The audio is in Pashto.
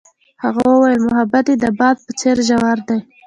هغې وویل محبت یې د باد په څېر ژور دی.